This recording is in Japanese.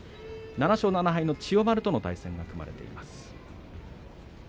７勝７敗の千代丸との対戦が組まれています。